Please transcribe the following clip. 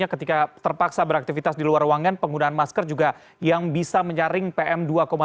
ketika terpaksa beraktivitas di luar ruangan penggunaan masker juga yang bisa menyaring pm dua lima